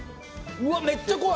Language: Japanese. うわめっちゃ濃い！